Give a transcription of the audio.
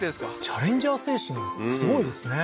チャレンジャー精神すごいですね